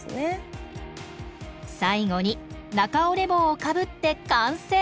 最後に中折れ帽をかぶって完成。